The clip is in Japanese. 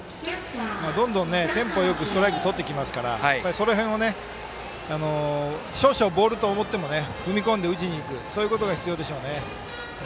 どんどんテンポよくストライクとってきますからその辺を少々ボールと思っても踏み込んで打ちにいくそういうことが必要でしょうね。